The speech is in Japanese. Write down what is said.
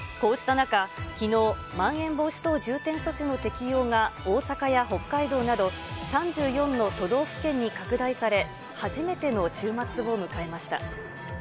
こうした中、きのう、まん延防止等重点措置の適用が大阪や北海道など、３４の都道府県に拡大され、初めての週末を迎えました。